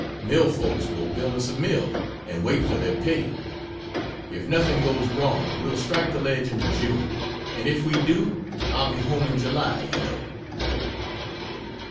Mill folks will build us a mill, and wait for their pay. If nothing goes wrong, we'll strike the ledge in June and if we do, I'll be home in July, you know.